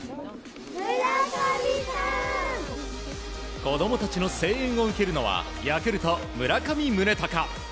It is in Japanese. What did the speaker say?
子供たちの声援を受けるのはヤクルト、村上宗隆。